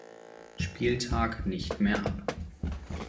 Spieltag nicht mehr ab.